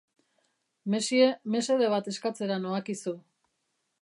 Monsieur, mesede bat eskatzera noakizu.